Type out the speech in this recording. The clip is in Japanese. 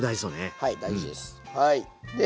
はい大事です。